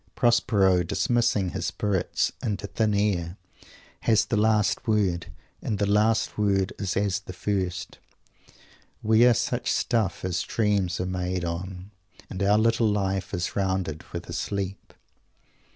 Prospero, dismissing his spirits "into thin air," has the last word; and the last word is as the first: "we are such stuff as dreams are made on, and our little life is rounded with a sleep."